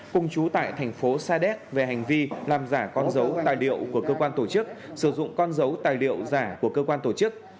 cùng chú tại tp sadec về hành vi làm giả con dấu tài liệu của cơ quan tổ chức sử dụng con dấu tài liệu giả của cơ quan tổ chức